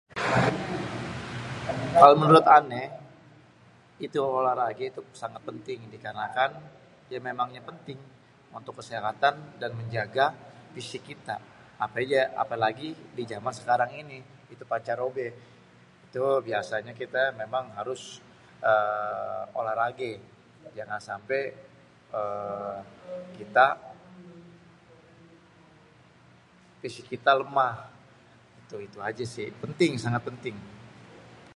kalo menurut anè itu olah ragè itu sangat penting di karenakan ya memang penting untuk kesehatan dan menjaga fisik kita. apalagi di zaman sekarang ini itu panca robè itu biasanya kita memang harus èèè... olah rage jangan sampe èèè.. kita fisik kita lemah itu-itu ajè si penting sangat penting